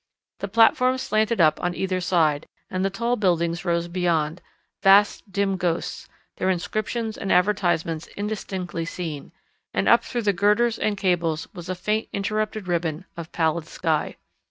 The platform slanted up on either side, and the tall buildings rose beyond, vast dim ghosts, their inscriptions and advertisements indistinctly seen, and up through the girders and cables was a faint interrupted ribbon of pallid sky.